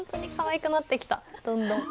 どんどん。